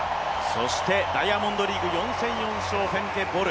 そしてダイヤモンドリーグ４戦４勝、フェムケ・ボル。